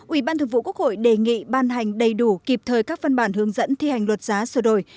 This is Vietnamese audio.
ủy ban thường vụ quốc hội đề nghị ban hành đầy đủ kịp thời các văn bản hướng dẫn thi hành luật giá sửa đổi